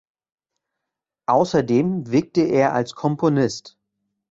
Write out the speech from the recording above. Außerdem wirkte er als Komponist.